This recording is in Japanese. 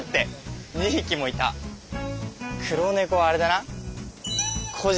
黒猫はあれだな。